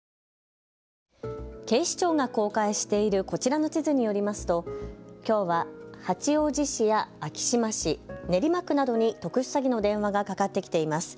警視庁が公開しているこちらの地図によりますときょうは八王子市や昭島市、練馬区などに特殊詐欺の電話がかかってきています。